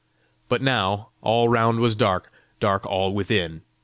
"But now, all round was dark, dark all within!